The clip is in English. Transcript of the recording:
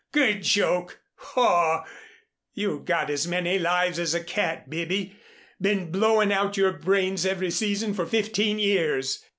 Good joke. Haw! You've got as many lives as a cat, Bibby. Been blowing out your brains every season for fifteen years."